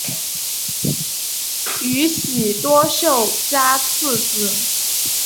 宇喜多秀家次子。